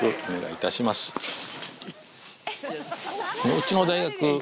うちの大学